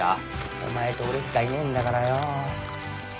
お前と俺しかいねぇんだからよ。